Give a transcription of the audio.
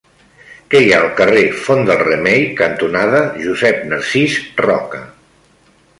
Què hi ha al carrer Font del Remei cantonada Josep Narcís Roca?